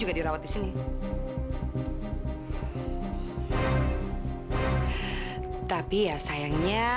aduh al terima kasih ya